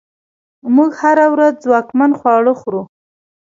موږ هره ورځ ځواکمن خواړه خورو.